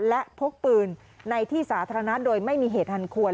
และพกปืนในที่สาธารณะโดยไม่มีเหตุอันควร